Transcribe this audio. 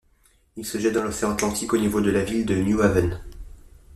Il se jette dans l'océan Atlantique au niveau de la ville de New Haven.